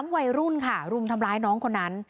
วัยรุ่นค่ะรุมทำร้ายน้องคนนั้น